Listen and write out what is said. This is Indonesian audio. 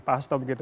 pak haslo begitu